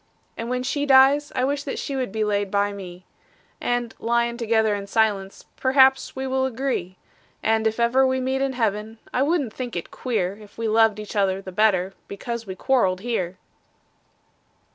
And when she dies I wish that she would be laid by me, And, lyin' together in silence, perhaps we will agree; And, if ever we meet in heaven, I wouldn't think it queer If we loved each other the better because we quarreled here.